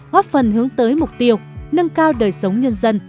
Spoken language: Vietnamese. góp phần hướng tới mục tiêu nâng cao đời sống nhân dân